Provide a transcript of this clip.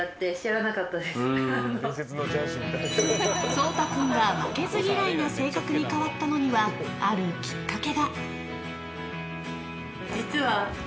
蒼太君が負けず嫌いな性格に変わったのには、あるきっかけが。